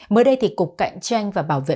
mới đây cục cạnh tranh và bảo vệ